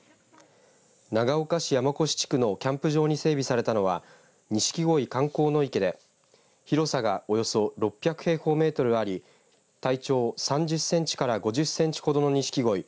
長岡市山古志地区のキャンプ場に整備されたのは錦鯉観光野池で広さがおよそ６００平方メートルあり体長３０センチから５０センチほどのにしきごい